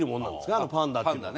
あのパンダっていうのは。